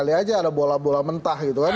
alih aja ada bola bola mentah gitu kan